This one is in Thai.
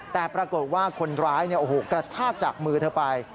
แต่ปรากฏว่าคนร้ายกระชากจากมือเธอไป